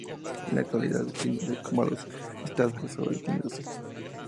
En la actualidad reside en Cambados, está casado y tiene dos hijos.